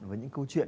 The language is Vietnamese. với những câu chuyện